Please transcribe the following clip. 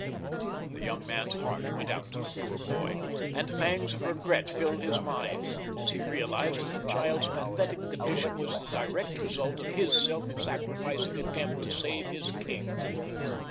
The young man's heart went out to the poor boy, and pangs of regret filled his mind as he realized that the child's pathetic condition was the direct result of his self sacrificing attempt to save his king.